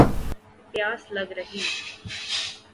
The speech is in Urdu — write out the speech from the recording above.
پیاس لَگ رہی